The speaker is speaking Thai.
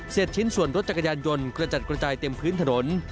ชิ้นส่วนรถจักรยานยนต์กระจัดกระจายเต็มพื้นถนน